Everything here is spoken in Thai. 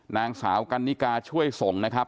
นางสาวกันนิกาช่วยส่งนะครับ